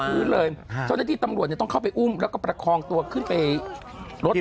พื้นเลยเจ้าหน้าที่ตำรวจเนี่ยต้องเข้าไปอุ้มแล้วก็ประคองตัวขึ้นไปรถ